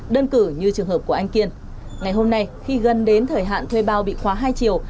đơn cử như trường hợp của anh kiên ngày hôm nay khi gần đến thời hạn thuê bao bị khóa hai triệu